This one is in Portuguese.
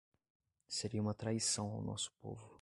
seria uma traição ao nosso povo